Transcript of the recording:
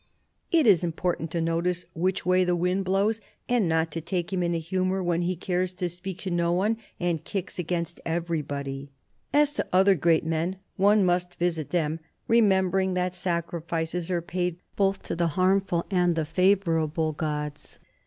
4 so CARDINAL DE RICHELIEU "It is important to notice which way the wind blows, and not to take him in a humour when he cares to speak to no one and kicks against everybody. "As to other great men, one must visit them ... remembering that sacrifices are paid both to the harmful and the favourable gods.